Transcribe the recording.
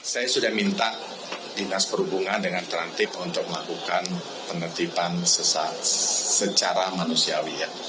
sudah minta dinas berhubungan dengan terantip untuk melakukan pengetipan secara manusiawi